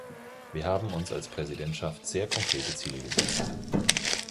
Wir haben uns als Präsidentschaft sehr konkrete Ziele gesetzt.